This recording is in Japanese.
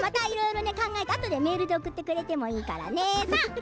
いろいろ考えてあとでメールで送ってくれてもいいからね。